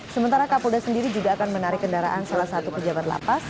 sementara kapolda sendiri juga akan menarik kendaraan salah satu pejabat lapas